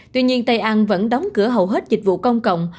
tuy nhiên tây an vẫn đóng cửa hầu hết dịch vụ công cộng